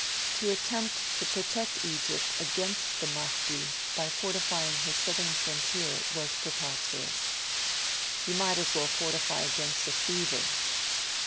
To attempt to protect Egypt against the Mahdi by fortifying her southern frontier was preposterous. 'You might as well fortify against a fever.'